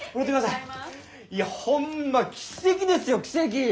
いやホンマ奇跡ですよ奇跡！